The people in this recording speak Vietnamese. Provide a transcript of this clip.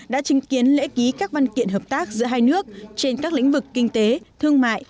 đã chứng kiến lễ ký các văn kiện hợp tác giữa hai nước trên các lĩnh vực kinh tế thương mại